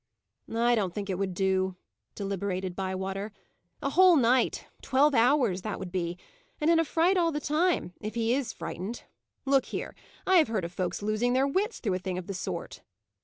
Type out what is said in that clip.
"I don't think it would do," deliberated Bywater. "A whole night twelve hours, that would be and in a fright all the time, if he is frightened. Look here! I have heard of folks losing their wits through a thing of the sort."